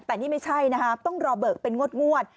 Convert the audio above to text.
แต่นี่ไม่ใช่นะคะต้องรอเบิกเป็นงวด